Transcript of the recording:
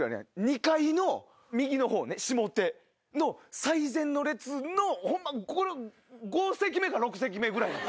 ２階の右の方ね下手の最前の列の５席目か６席目ぐらいの子。